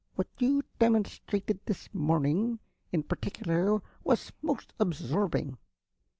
What you demonstrated this morning, in particular, was most absorbing.